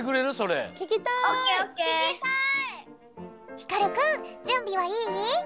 ひかるくんじゅんびはいい？